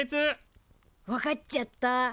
わかっちゃった。